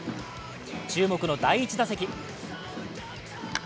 注目の第１打席。